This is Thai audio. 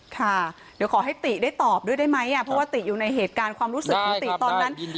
ค่ะเดี๋ยวขอให้ติได้ตอบด้วยได้ไหมเพราะว่าติอยู่ในเหตุการณ์ความรู้สึกของติตอนนั้น